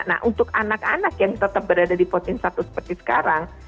nah untuk anak anak yang tetap berada di posting satu seperti sekarang